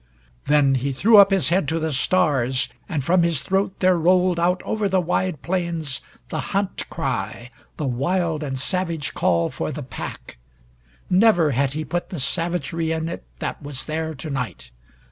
Then he threw up his head to the stars, and from his throat there rolled out over the wide plains the hunt cry the wild and savage call for the pack. Never had he put the savagery in it that was there to night.